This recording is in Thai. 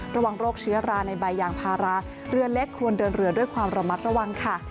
ระวังโรคเชื้อราในใบยางพาราเรือเล็กควรเดินเรือด้วยความระมัดระวังค่ะ